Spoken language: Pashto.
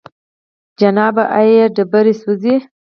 جنابه! آيا تيږي سوزي؟